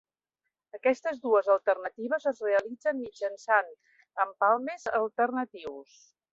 Aquestes dues alternatives es realitzen mitjançant empalmes alternatius.